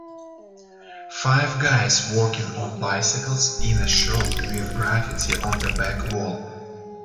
Five guys working on bicycles in a shop with graffiti on the back wall.